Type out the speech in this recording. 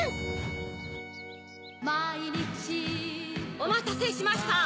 おまたせしました！